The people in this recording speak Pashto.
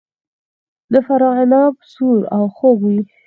د فراه عناب سور او خوږ وي.